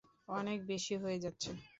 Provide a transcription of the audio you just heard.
অনেক বেশি হয়ে যাচ্ছে।